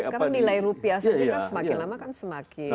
sekarang nilai rupiah semakin lama kan semakin lemah